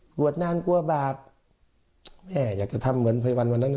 วดนานกลัวบาปแม่อยากจะทำเหมือนภัยวันวันนั้น